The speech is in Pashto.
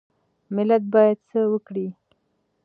ملت باید څه وکړي؟